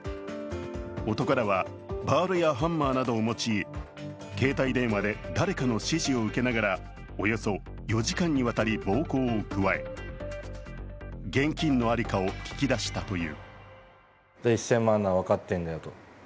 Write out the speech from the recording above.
男らはバールやハンマーを持ち、携帯電話で誰かの指示を受けながらおよそ４時間にわたり暴行を加え、現金のありかを聞き出したという。